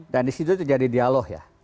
dan di situ terjadi dialog ya